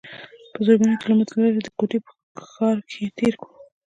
پۀ زرګونو کلومټره لرې د کوټې پۀ ښار کښې تير کړو